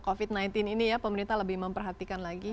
covid sembilan belas ini ya pemerintah lebih memperhatikan lagi